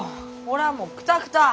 俺はもうくたくた。